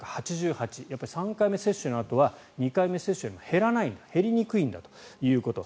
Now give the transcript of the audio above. ３回目接種のあとは２回目接種よりも減りにくいんだということ。